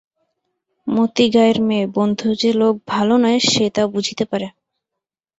মতি গায়ের মেয়ে, বন্ধু যে লোক ভালো নয় সে তা বুঝিতে পারে।